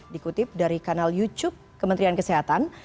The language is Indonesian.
dikutip dari kanal youtube kementerian kesehatan